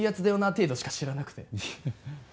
程度しか知らなくて。